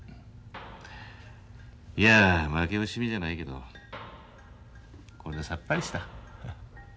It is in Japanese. いや負け惜しみじゃないけどこれでさっぱりした。